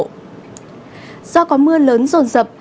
do có mưa lớn rồn rập